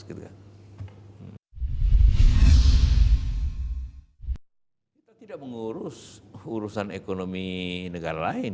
kita tidak mengurus urusan ekonomi negara lain